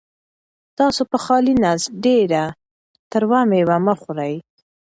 تاسو په خالي نس ډېره تروه مېوه مه خورئ.